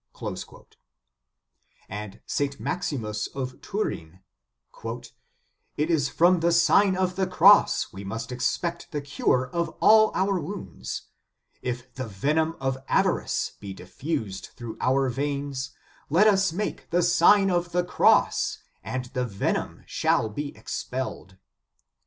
"* St. Maximus of Turin : "It is from the Sign of the Cross we must expect the cure of all our wounds. If the venom of avarice be diffused through our veins, let us make the Sign of the Cross, and the venom shall be expelled.